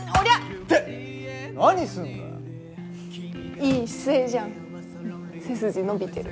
いい姿勢じゃん背筋伸びてる。